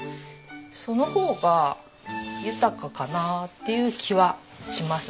そのほうが豊かかなあっていう気はします。